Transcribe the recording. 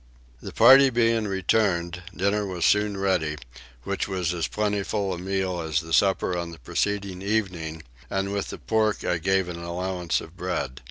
The party being returned, dinner was soon ready, which was as plentiful a meal as the supper on the preceding evening, and with the pork I gave an allowance of bread.